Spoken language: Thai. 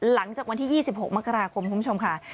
หลังจากวันที่๒๖มกราคมคุณผู้ชมค่ะ